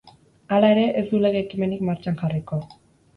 Hala ere, ez du lege-ekimenik martxan jarriko.